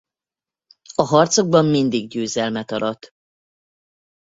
A harcokban mindig győzelmet arat.